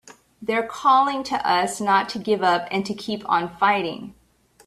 They're calling to us not to give up and to keep on fighting!